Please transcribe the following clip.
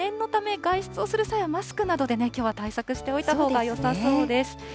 ただ、念のため、外出をする際はマスクなどできょうは対策しておいたほうがよさそうです。